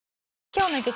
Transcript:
今日の激